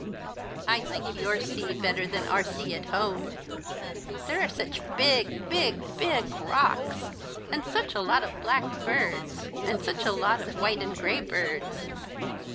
" I like your sea better than our sea at home. There are such big, big, big rocks, and such a lot of black birds, and such a lot of white and grey birds.